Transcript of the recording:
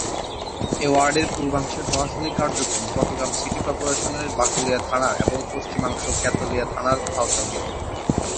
এ ওয়ার্ডের পূর্বাংশের প্রশাসনিক কার্যক্রম চট্টগ্রাম সিটি কর্পোরেশনের বাকলিয়া থানার এবং পশ্চিমাংশ কোতোয়ালী থানার আওতাধীন।